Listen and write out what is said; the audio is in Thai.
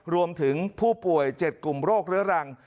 รวมถึงผู้ป่วย๗กลุ่มโรคเรื้อรัง